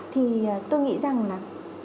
thì tôi nghĩ rằng là